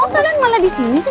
oh kalian mana di sini sih